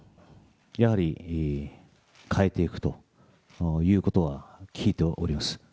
やはり変えていくということは聞いております。